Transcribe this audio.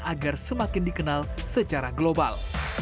agar semakin dikenal secara global